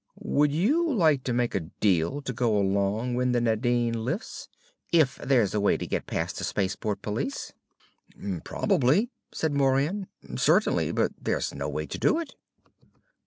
"Would you like to make a deal to go along when the Nadine lifts? If there's a way to get past the space port police?" "Probably," said Moran. "Certainly! But there's no way to do it."